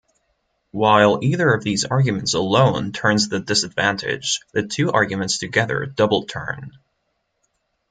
While either of these arguments alone turns the disadvantage, the two arguments together double-turn.